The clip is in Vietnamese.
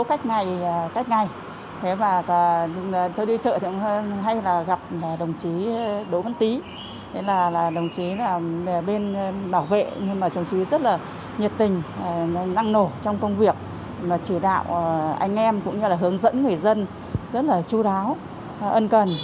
anh em cũng như là hướng dẫn người dân rất là chú đáo ân cần